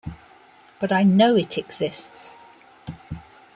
But I know it exists.